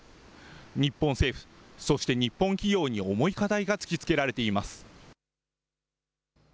日本政府、そして日本企業に重い課題が突きつけられています。